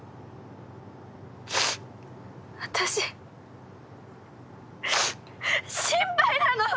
私心配なの！